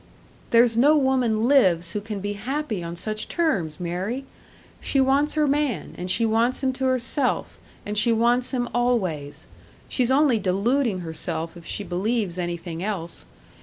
"There's no woman lives who can be happy on such terms, Mary. She wants her man, and she wants him to herself, and she wants him always; she's only deluding herself if she believes anything else.